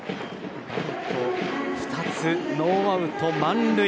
バント２つ、ノーアウト満塁。